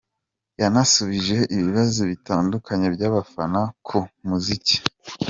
Yanasubije ibibazo bitandukanye by’abafana ku muziki.